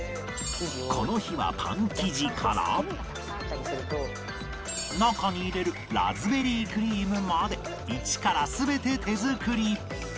この日はパン生地から中に入れるラズベリークリームまで一から全て手作り